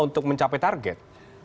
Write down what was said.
untuk mencapai target